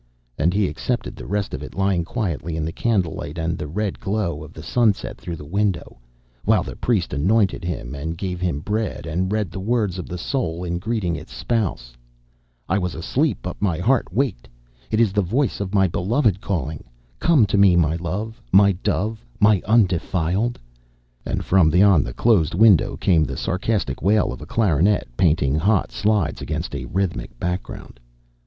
and he accepted the rest of it lying quietly in the candlelight and the red glow of the sunset through the window, while the priest anointed him and gave him bread, and read the words of the soul in greeting its spouse: "I was asleep, but my heart waked; it is the voice of my beloved calling: come to me my love, my dove, my undefiled ..." and from beyond the closed window came the sarcastic wail of a clarinet painting hot slides against a rhythmic background.